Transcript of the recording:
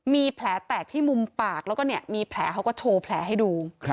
มีแผลแตกที่มุมปากแล้วก็มีแผลเขาก็โชว์แผลให้ดู